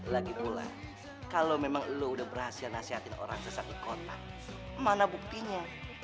lagipula kalau memang lo udah berhasil nasihatin orang sesak di kota mana buktinya